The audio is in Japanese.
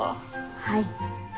はい。